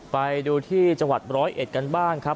ไปดูที่จังหวัดร้อยเอ็ดกันบ้างครับ